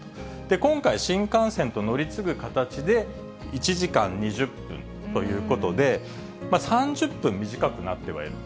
今回、新幹線と乗り継ぐ形で１時間２０分ということで、３０分短くなってはいる。